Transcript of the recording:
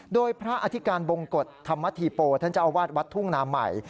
โดยพระอธิการบงกฎธรรมธีโปท่านเจ้าอาวาสวัดทุ่งนาใหม่